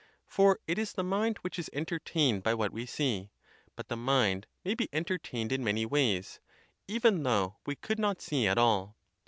For it is the mind which is entertained by what we see; but the mind may be entertained in many ways, even though we could not see at all.